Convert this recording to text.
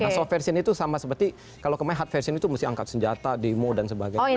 nah soal version itu sama seperti kalau kemarin hard version itu mesti angkat senjata demo dan sebagainya